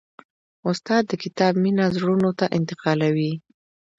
استاد د کتاب مینه زړونو ته انتقالوي.